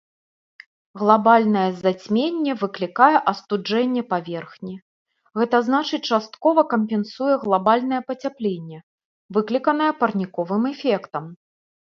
Глабальнае зацьменне выклікае астуджэнне паверхні, гэта значыць часткова кампенсуе глабальнае пацяпленне, выкліканае парніковым эфектам.